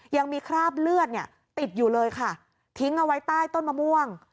ยังมีคราบเลือดเนี่ยติดอยู่เลยค่ะทิ้งเอาไว้ใต้ต้นมะม่วง